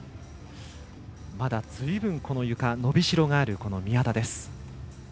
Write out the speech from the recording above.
まだずいぶん、このゆか伸びしろがある宮田です。